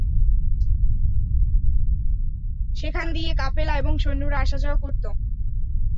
সেখান দিয়ে কাফেলা এবং সৈন্যরা আসা-যাওয়া করত।